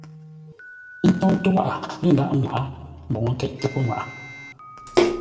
Ə́ tóutə́ wághʼə lə́ ndaghʼ ŋwaʼá mbǒu nkéiʼtə́ pəŋwaʼa.